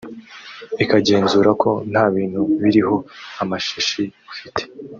ikagenzura ko nta bintu biriho amashashi ufite